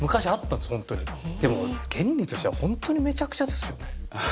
でも原理としてはホントにめちゃくちゃですよね。